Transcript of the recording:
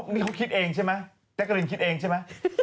นี่เขาคิดเองใช่มะแจ้งกะลินคิดเองใช่มะ